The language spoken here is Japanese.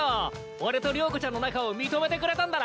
俺と了子ちゃんの仲を認めてくれたんだな。